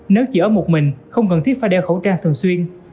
nếu chỉ ở một mình không cần thiết phải đeo khẩu trang thường xuyên